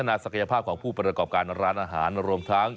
งานเทศกาลอาหารอร่อยระยอง